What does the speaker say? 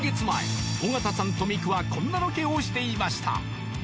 前尾形さんとミクはこんなロケをしていました